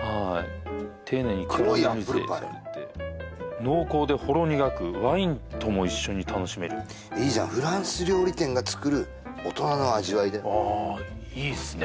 丁寧にキャラメリゼされて黒いアップルパイ濃厚でほろ苦くワインとも一緒に楽しめるいいじゃんフランス料理店が作る大人の味わいだよあいいっすね